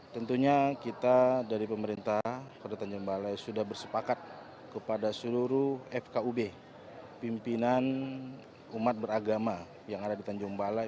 tentunya kita dari pemerintah kota tanjung balai sudah bersepakat kepada seluruh fkub pimpinan umat beragama yang ada di tanjung balai